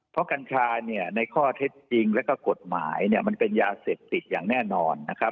เพราะกัญชาเนี่ยในข้อเท็จจริงแล้วก็กฎหมายเนี่ยมันเป็นยาเสพติดอย่างแน่นอนนะครับ